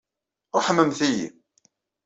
Ṛeḥmemt-iyi.